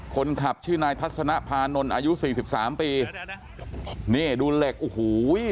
คนขับชื่อนายทัศนภานนท์อายุสี่สิบสามปีนี่ดูเหล็กโอ้โห